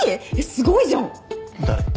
すごいじゃん誰？